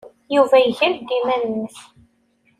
Yuba iger-d iman-nnes.